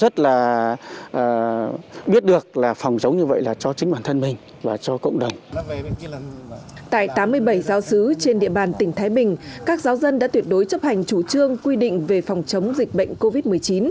tại tám mươi bảy giáo sứ trên địa bàn tỉnh thái bình các giáo dân đã tuyệt đối chấp hành chủ trương quy định về phòng chống dịch bệnh covid một mươi chín